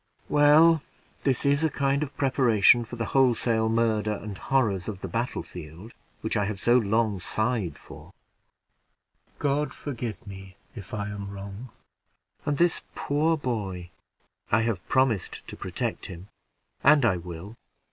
Well, this is a kind of preparation for the wholesale murder and horrors of the battlefield, which I have so long sighed for: God forgive me if I am wrong! And this poor boy! I have promised to protect him, and I will.